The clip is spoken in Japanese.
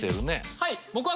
はい。